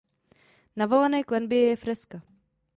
Na valené klenbě je freska.